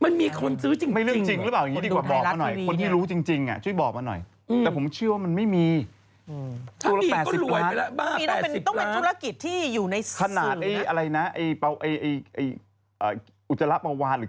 มันมีคนซื้อจริงคนดูไทยรัฐทีวีเนี่ยคนที่รู้จริงช่วยบอกมาหน่อย